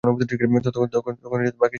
ততক্ষণে বাকি সবাই বেরিয়ে গেছে।